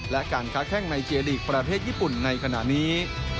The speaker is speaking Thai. และการค้าแข้งในเจลีกประเทศญี่ปุ่นในขณะนี้